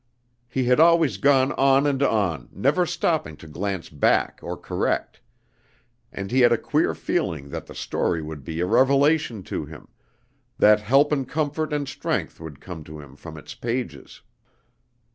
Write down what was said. He had always gone on and on, never stopping to glance back or correct; and he had a queer feeling that the story would be a revelation to him, that help and comfort and strength would come to him from its pages.